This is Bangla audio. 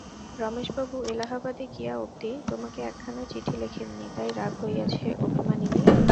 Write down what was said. রমেশবাবু এলাহাবাদে গিয়া অবধি তোমাকে একখানি চিঠি লেখেন নি তাই রাগ হইয়াছে–অভিমানিনী!